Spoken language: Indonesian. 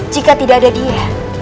jika tidak ada dia